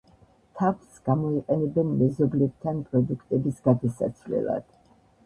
თაფლს გამოიყენებენ მეზობლებთან პროდუქტების გადასაცვლელად.